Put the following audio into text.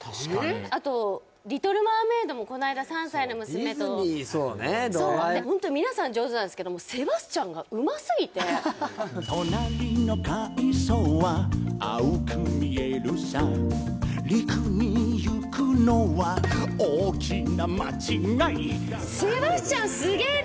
あと「リトル・マーメイド」もこないだ３歳の娘とディズニーそうねホント皆さん上手なんですけどセバスチャンがうますぎてとなりの海藻は青く見えるさ陸に行くのは大きな間違い